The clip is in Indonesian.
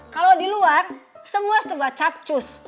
kalau di luar semua sebuah capcus